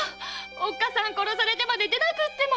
おっかさん殺されてまで出なくっても！